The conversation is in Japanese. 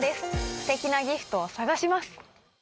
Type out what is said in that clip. すてきなギフトを探します。